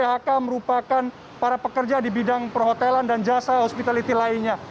phk merupakan para pekerja di bidang perhotelan dan jasa hospitality lainnya